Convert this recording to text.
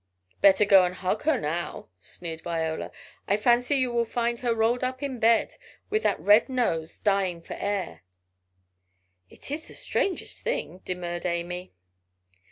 "Better go and hug her now," sneered Viola, "I fancy you will find her rolled up in bed, with her red nose, dying for air." "It is the strangest thing " demurred Amy.